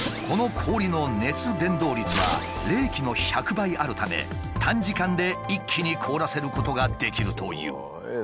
この氷の熱伝導率は冷気の１００倍あるため短時間で一気に凍らせることができるという。